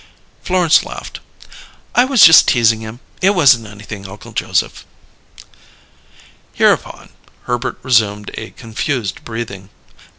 Florence laughed, "I was just teasin' him. It wasn't anything, Uncle Joseph." Hereupon, Herbert resumed a confused breathing.